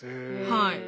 はい。